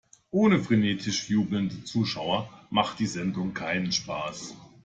Ohne frenetisch jubelnde Zuschauer macht die Sendung keinen Spaß.